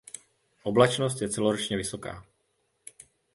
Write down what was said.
Oblačnost je celoročně vysoká.